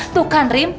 tuh kan rim